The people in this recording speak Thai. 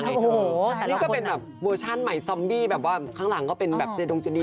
นี่ก็เป็นแบบเวอร์ชันใหม่ซอมบี้ข้างหลังก็เป็นแบบเจดุงจันทรีย์